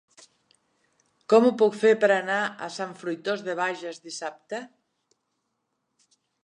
Com ho puc fer per anar a Sant Fruitós de Bages dissabte?